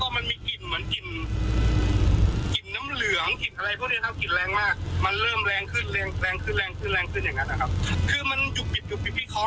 มันหยุบที่ท้องแล้วสับผ้าก็เหมือนจนกระตุกขึ้นออกมาแล้วผมก็